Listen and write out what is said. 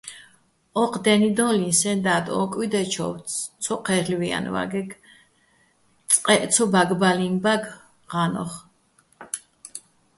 ოჴ დე́ნიდო́ლიჼ სეჼ და́დ ო კუჲდე́ჩოვ ცო ჴე́რ'ლვიენვაგე̆, წყეჸ ცო ბაგბალინბაგე̆ ღა́ნოხ.